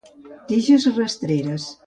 Tiges rastreres.